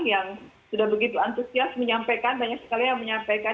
yang sudah begitu antusias menyampaikan banyak sekali yang menyampaikan